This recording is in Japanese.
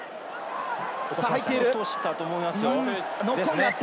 落としたと思いますよ。